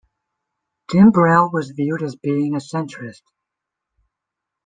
Timbrell was viewed as being a centrist.